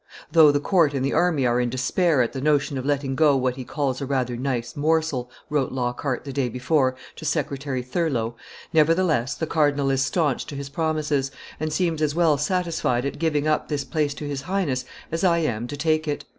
'Though the court and the army are in despair at the notion of letting go what he calls a rather nice morsel,' wrote Lockhart, the day before, to Secretary Thurloe, 'nevertheless the cardinal is staunch to his promises, and seems as well satisfied at giving up this place to his Highness as I am to take it.